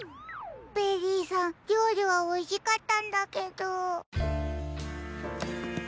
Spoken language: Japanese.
ベリーさんりょうりはおいしかったんだけど。